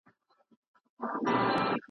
تر کرهنیز اووښتون راوروسته وشو